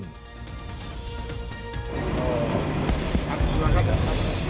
เพื่อนมนตรีครับ